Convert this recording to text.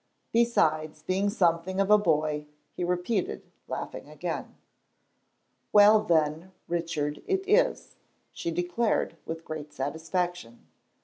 "Besides being something of a boy," he repeated, laughing again. "Well, then, Richard it is," she declared, with great satisfaction.